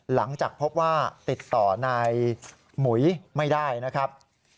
หลังจากพบว่าติดต่อนายหมุยไม่ได้นะครับ